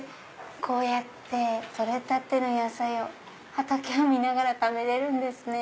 こうやって取れたての野菜を畑を見ながら食べれるんですね。